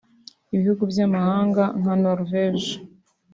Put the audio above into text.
Ibihugu by’amahanga nka Norvège